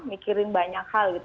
mikirin banyak hal gitu